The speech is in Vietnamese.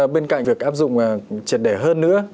bên cạnh việc áp dụng triệt để hơn nữa